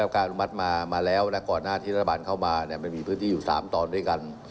การอนุมัติมาแล้วและก่อนหน้าที่รัฐบาลเข้ามามันมีพื้นที่อยู่๓ตอนด้วยกัน